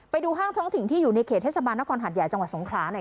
ไปดูห้างท้องถิ่นที่อยู่ในเขตเทศบาลนครหัดใหญ่จังหวัดสงขลาหน่อย